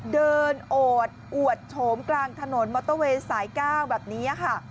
โอดอวดโฉมกลางถนนมอเตอร์เวย์สาย๙แบบนี้ค่ะ